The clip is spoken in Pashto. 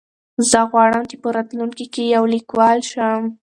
زه غواړم چې په راتلونکي کې یو لیکوال شم.